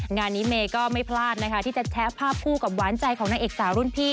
งานนี้เมย์ก็ไม่พลาดนะคะที่จะแชะภาพคู่กับหวานใจของนางเอกสาวรุ่นพี่